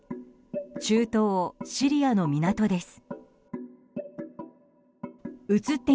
中東シリアの港です。